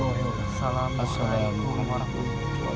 assalamualaikum wr wb